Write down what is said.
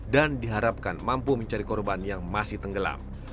dan diharapkan mampu mencari korban yang masih tenggelam